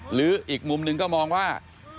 หรืออีกมุมนึงก็มองว่า